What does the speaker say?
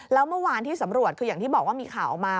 แล้วเมื่อวานที่สำรวจคืออย่างที่บอกว่ามีข่าวออกมา